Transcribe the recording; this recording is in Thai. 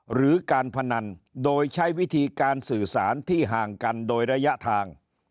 หรือการพนันโดยใช้วิธีการสื่อสารที่ห่างกันโดยระยะทาง